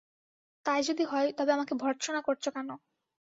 তাই যদি হয় তবে আমাকে ভর্ৎসনা করছ কেন?